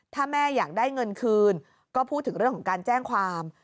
ถ้าแม่อยากได้เงินคืนก็พูดถึงเรื่องของการแจ้งความ